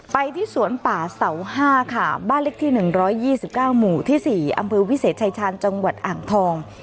ไปที่สวนป่าเสา๕ค่ะบ้านเล็กที่๑๒๙หมู่ที่๔อำเภอวิเศษชายชาญจังหวัดอ่างทอง